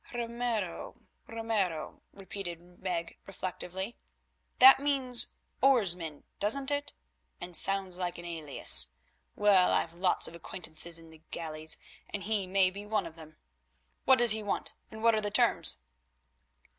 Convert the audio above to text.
"Ramiro? Ramiro?" repeated Meg reflectively, "that means Oarsman, doesn't it, and sounds like an alias? Well, I've lots of acquaintances in the galleys, and he may be one of them. What does he want, and what are the terms?"